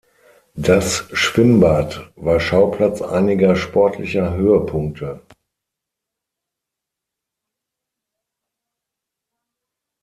Das Schwimmbad war Schauplatz einiger sportlicher Höhepunkte.